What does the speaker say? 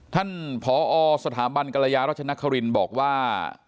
ท่านผอสถาบันกรยารัชนครินบอกว่า